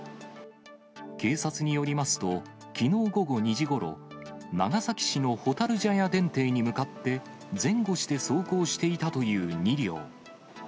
警察によりますと、きのう午後２時ごろ、長崎市の蛍茶屋電停に向かって、前後して走行していたという２両。